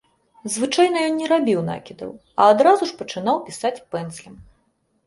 Звычайна ён не рабіў накідаў, а адразу ж пачынаў пісаць пэндзлем.